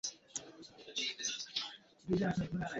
কিন্তু আমি প্রথম থেকেই রাস্তার জায়গা বাদ দিয়ে মাটি কাটার কথা বলেছি।